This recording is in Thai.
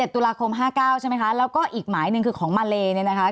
ตุลาคม๕๙ใช่ไหมคะแล้วก็อีกหมายหนึ่งคือของมาเลเนี่ยนะคะ